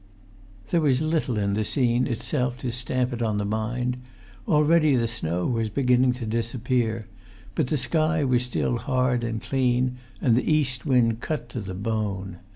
There was little in the scene itself to stamp it on the mind. Already the snow was beginning to disappear; but the sky was still hard and clean; and the east wind cut to the bone.